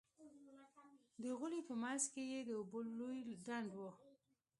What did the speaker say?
د غولي په منځ کښې يې د اوبو لوى ډنډ و.